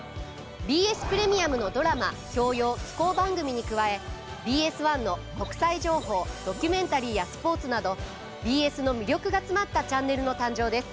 ＢＳプレミアムのドラマ教養紀行番組に加えＢＳ１の国際情報ドキュメンタリーやスポーツなどＢＳの魅力が詰まったチャンネルの誕生です。